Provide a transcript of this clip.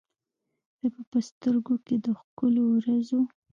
زه به په سترګو کې، د ښکلو ورځو،